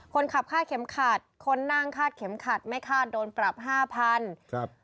คนขับฆ่าเข็มขัดคนนั่งฆ่าเข็มขัดไม่ฆ่าโดนปรับ๕๐๐๐